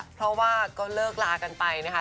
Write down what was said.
เพราะว่าก็เลิกลากันไปนะคะ